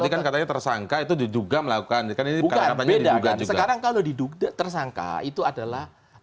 kalau katanya tersangka itu diduga melakukan bukan beda beda sekarang kalau diduga tersangka itu adalah